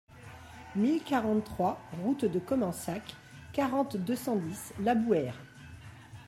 mille quarante-trois route de Commensacq, quarante, deux cent dix, Labouheyre